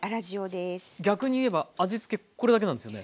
逆に言えば味付けこれだけなんですよね。